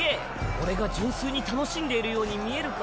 俺が純粋に楽しんでいるように見えるか？